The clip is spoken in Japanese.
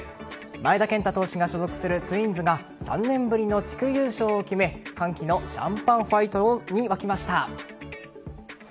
前田健太投手が所属するツインズが３年ぶりの地区優勝を決め歓喜のシャンパンファイトに沸きました。